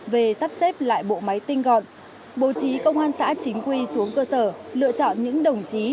về sắp xếp lại bộ máy tinh gọn bố trí công an xã chính quy xuống cơ sở lựa chọn những đồng chí